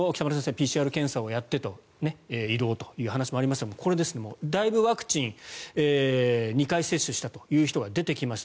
ＰＣＲ検査をやって移動というお話もありましたがこれですね、だいぶワクチン２回接種したという人が出てきました。